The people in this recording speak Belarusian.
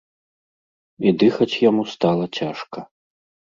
І дыхаць яму стала цяжка.